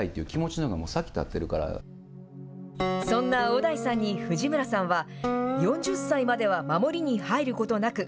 小田井さんに藤村さんは、４０歳までは守りに入ることなく、